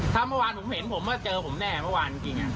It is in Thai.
ถ้าเมื่อวานผมเห็นผมว่าเจอผมแน่เมื่อวานจริง